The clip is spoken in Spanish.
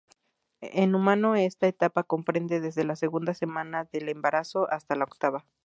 En humanos esta etapa comprende desde la segunda semana del embarazo hasta la octava.